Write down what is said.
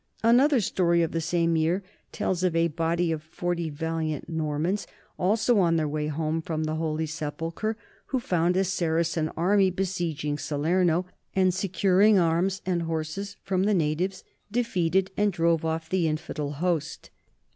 Another story of the same year tells of a body of forty valiant Normans, also on their way home from the Holy Sepulchre, who found a Saracen army besieg ing Salerno and, securing arms and horses from the na tives, defeated and drove off the infidel host.